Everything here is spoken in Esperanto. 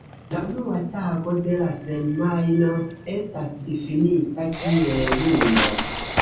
La unua tago de la semajno estas difinita kiel lundo.